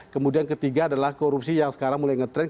kemudian ketiga adalah korupsi yang sekarang mulai ngetrend